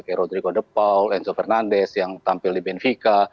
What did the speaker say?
kayak rodrigo depaul enzo fernandez yang tampil di benfica